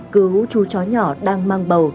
cứu chú chó nhỏ đang mang bầu